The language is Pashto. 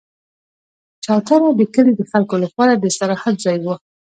چوتره د کلي د خلکو لپاره د استراحت ځای وو.